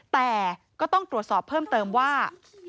แต่ก็ต้องตรวจสอบเพิ่มเติมว่า